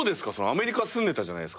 アメリカ住んでたじゃないですか。